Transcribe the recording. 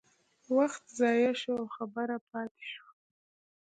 وخت ضایع شو او خبره پاتې شوه.